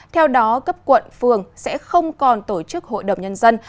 theo đó cấp quận phường sẽ không còn tổ chức hội đồng nhân dân